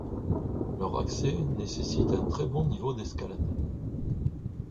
Leur accès nécessite un très bon niveau d'escalade.